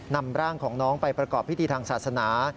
นำร่างของน้องไปประกอบพิธีทางศาสนา